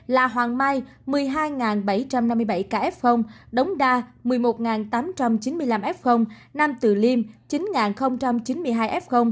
là hoàng mai một mươi hai bảy trăm năm mươi bảy ca f đống đa một mươi một tám trăm chín mươi năm ca f nam tử liêm chín chín mươi hai ca f